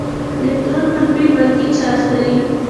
الکترون منفي برقي چارچ لري.